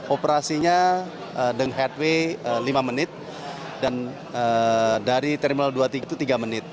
operasinya dengan headway lima menit dan dari terminal dua itu tiga menit